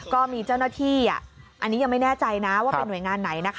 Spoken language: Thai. ก็มีเจ้าหน้าที่อันนี้ยังไม่แน่ใจนะว่าเป็นหน่วยงานไหนนะคะ